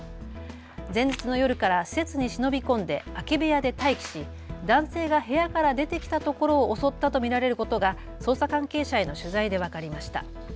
前日の夜から施設に忍び込んで空き部屋で待機し男性が部屋から出てきたところを襲ったと見られることが捜査関係者への取材で分かりました。